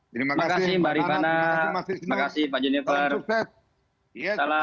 terima kasih mbak rifana